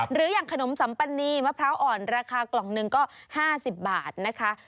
หรืออย่างขนมสัมปนีมะพร้าวอ่อนราคากล่องหนึ่งก็๕๐บาทนะคะ